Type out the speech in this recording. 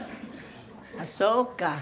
ああそうか。